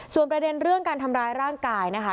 ส่วนประเด็นเรื่องการทำร้ายร่างกายนะคะ